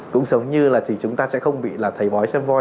cũng giống như là chúng ta sẽ không bị thầy bói xâm hội